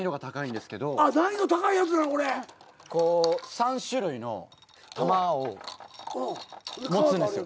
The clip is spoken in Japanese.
３種類の玉を持つんですよ